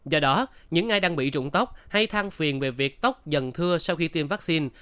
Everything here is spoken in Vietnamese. do đó những ai đang bị trụng tóc hay thang phiền về việc tóc dần thưa sau khi tiêm vaccine